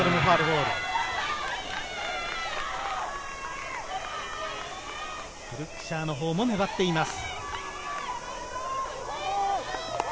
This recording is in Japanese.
ブルックシャーのほうも粘っています。